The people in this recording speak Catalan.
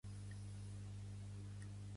Pertany al moviment independentista l'Eloísa?